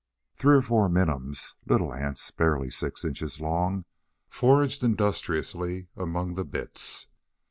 Three or four minims, little ants barely six inches long, foraged industriously among the bits.